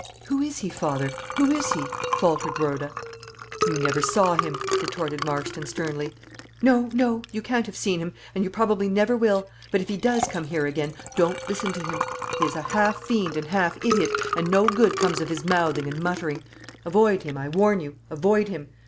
"Who is he, father, who is he?" faltered Rhoda. "You never saw him," retorted Marston, sternly. "No, no; you can't have seen him, and you probably never will; but if he does come here again, don't listen to him. He is half fiend and half idiot, and no good comes of his mouthing and muttering. Avoid him, I warn you, avoid him.